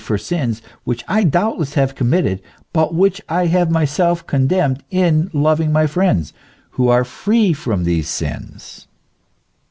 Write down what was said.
for sins which I doubtless have committed, but which I have myself condemned, in loving my friends, who are free from these sins